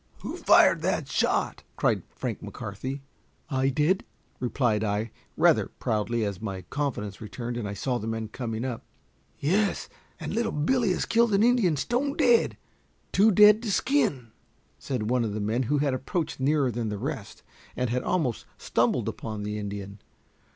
"Who fired that shot?" cried Frank McCarthy. "I did," replied I, rather proudly, as my confidence returned, and I saw the men coming up. "Yes, and little Billy has killed an Indian stone dead too dead to skin," said one of the men, who had approached nearer than the rest, and had almost stumbled upon the Indian.